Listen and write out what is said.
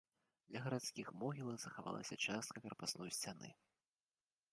Ля гарадскіх могілак захавалася частка крапасной сцяны.